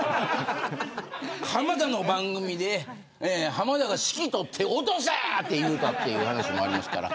浜田の番組で浜田が指揮を執って落とせって言ったっていう話もありますから。